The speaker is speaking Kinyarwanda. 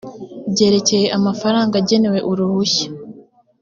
byerekeye amafaranga agenewe uruhushya